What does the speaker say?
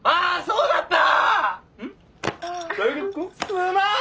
すまん。